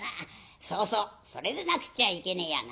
そうそうそれでなくちゃいけねえやな。